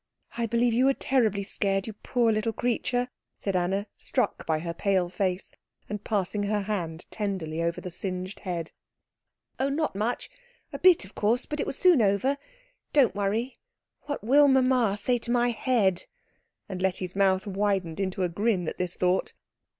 "I believe you were terribly scared, you poor little creature," said Anna, struck by her pale face, and passing her hand tenderly over the singed head. "Oh, not much. A bit, of course. But it was soon over. Don't worry. What will mamma say to my head?" And Letty's mouth widened into a grin at this thought.